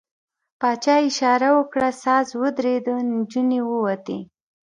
پاچا اشاره وکړه، ساز ودرېد، نجونې ووتې.